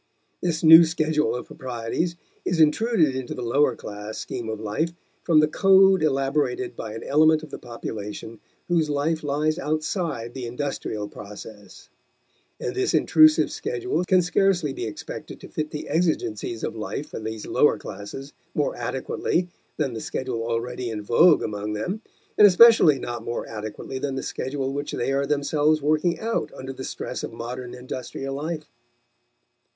This new schedule of proprieties is intruded into the lower class scheme of life from the code elaborated by an element of the population whose life lies outside the industrial process; and this intrusive schedule can scarcely be expected to fit the exigencies of life for these lower classes more adequately than the schedule already in vogue among them, and especially not more adequately than the schedule which they are themselves working out under the stress of modern industrial life.